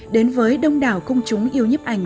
đến với đông đảo công chúng yêu nhấp ảnh